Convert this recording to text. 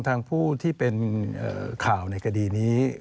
ทางผู้ที่เป็นข่าวในคดีนี้